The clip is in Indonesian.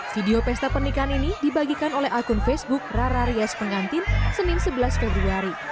video pesta pernikahan ini dibagikan oleh akun facebook rararias pengantin senin sebelas februari